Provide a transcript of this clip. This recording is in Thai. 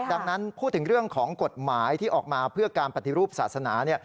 ดังนั้นพูดถึงเรื่องของกฎหมายที่ออกมาเพื่อการปฏิรูปศาสนา